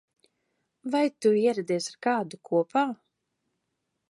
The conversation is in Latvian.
Vai tu ieradies ar kādu kopā?